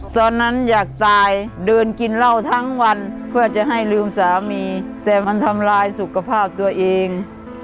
ตอนนั้นอยากตายเดินกินเหล้าทั้งวันเพื่อจะให้ลืมสามีแต่มันทำลายสุขภาพตัวเอง